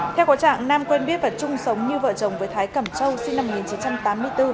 theo có trạng nam quen biết và chung sống như vợ chồng với thái cẩm châu sinh năm một nghìn chín trăm tám mươi bốn